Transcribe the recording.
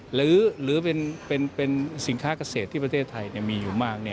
หรือเป็นสินค้าเกษตรที่ประเทศไทยมีอยู่มาก